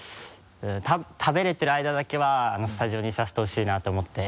食べれてるあいだだけはスタジオに居させてほしいなって思って。